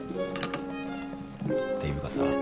ていうかさ